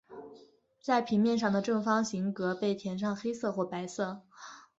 在平面上的正方形格被填上黑色或白色。